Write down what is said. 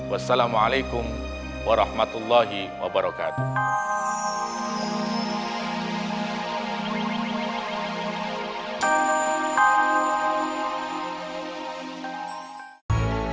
wassalamualaikum warahmatullahi wabarakatuh